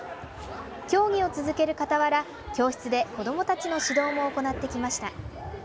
競技を続ける傍ら、教室で子どもたちの指導も行ってきました。